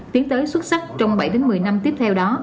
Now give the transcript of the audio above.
tiến tới xuất sắc trong bảy đến một mươi năm tiếp theo đó